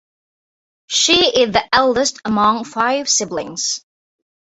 She is the eldest among five siblings.